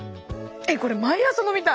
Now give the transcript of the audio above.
えっこれ毎朝飲みたい。